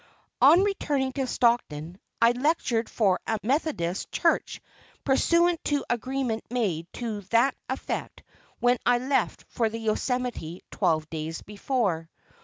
On returning to Stockton, I lectured for a Methodist church pursuant to agreement made to that effect when I left for the Yo Semite twelve days before.